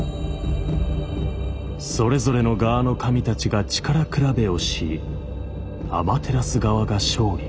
それぞれの側の神たちが力比べをしアマテラス側が勝利。